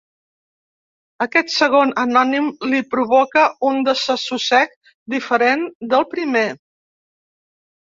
Aquest segon anònim li provoca un desassossec diferent del primer.